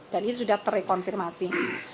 dan itu sudah terkonfirmasi